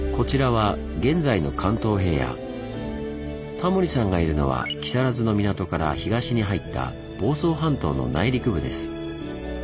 タモリさんがいるのは木更津の港から東に入った房総半島の内陸部です。